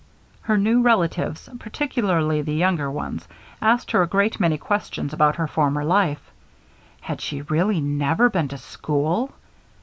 Her new relatives, particularly the younger ones, asked her a great many questions about her former life. Had she really never been to school?